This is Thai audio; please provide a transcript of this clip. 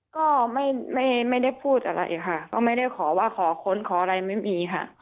ก็ไม่ได้พูดอะไรค่ะก็ไม่ได้ขอว่าขอค้นขออะไรไม่มีค่ะ